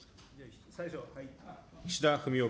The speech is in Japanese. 岸田文雄